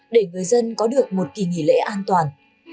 để người dân có được một kỳ nghỉ lễ an toàn